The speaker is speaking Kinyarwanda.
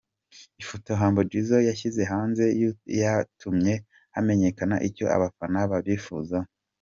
Ifoto Humble Jizzo yashyize hanze yatumye hamenyekana icyo abafana babifuzaho.